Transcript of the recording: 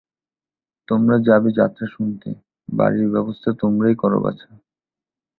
তোমরা যাবে যাত্রা শুনতে, বাড়ির ব্যবস্থা তোমরাই করো বাছা।